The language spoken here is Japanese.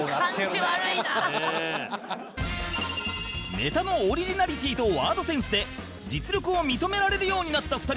ネタのオリジナリティーとワードセンスで実力を認められるようになった２人は